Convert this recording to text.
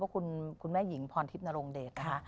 ขอบคุณคุณแม่หญิงพรทิพย์นโรงเดชค่ะ